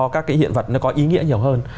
các cái hiện vật nó có ý nghĩa nhiều hơn